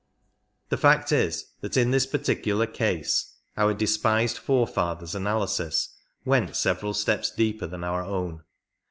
The fact is that in this particular case our despised fore fathers' analysis went several steps deeper than our own.